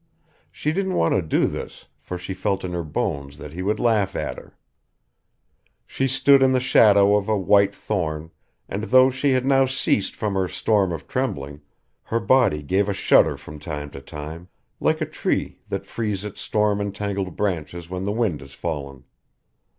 She didn't want to do this, for she felt in her bones that he would laugh at her. She stood in the shadow of a white thorn, and though she had now ceased from her storm of trembling, her body gave a shudder from time to time, like a tree that frees its storm entangled branches when the wind has fallen.